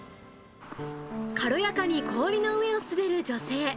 軽やかに氷の上を滑る女性。